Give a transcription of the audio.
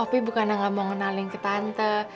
opi bukanlah gak mau ngenalin ke tante